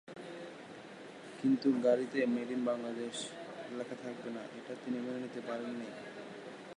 কিন্তু গাড়িতে ‘made in Bangladesh’ লেখা থাকবে না, এটি তিনি মেনে নিতে পারেননি।